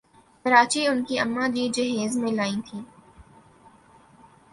کراچی ان کی اماں جی جہیز میں لائیں تھیں ۔